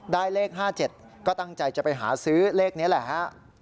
เลข๕๗ก็ตั้งใจจะไปหาซื้อเลขนี้แหละฮะ